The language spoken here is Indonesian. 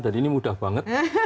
dan ini mudah banget